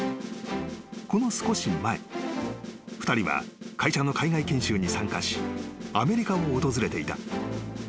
［この少し前２人は会社の海外研修に参加しアメリカを訪れていた］